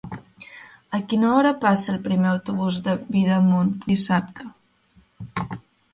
A quina hora passa el primer autobús per Sidamon dissabte?